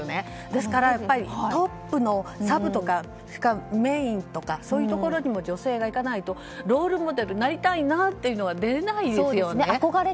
ですから、トップのサブとかメインとかそういうところに女性がいかないとロールモデルになりたいなという人が出ないですよね。